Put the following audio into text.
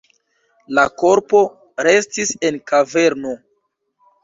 La korpo restis en kaverno.